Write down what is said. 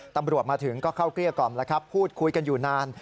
ตำรวจมาถึงก็เข้าเกลี้ยกล่อมแล้วครับพูดคุยกันอยู่นาน